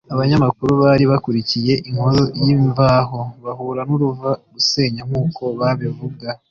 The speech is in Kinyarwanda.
abanyamakuru bari bakurikiye inkuru y’imvaho bahura nuruva gusenya nk’uko babivuga